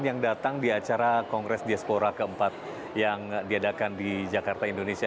yang datang di acara kongres diaspora keempat yang diadakan di jakarta indonesia